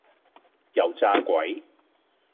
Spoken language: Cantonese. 油炸鬼